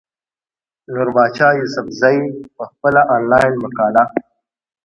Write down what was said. نوربادشاه يوسفزۍ پۀ خپله انلاين مقاله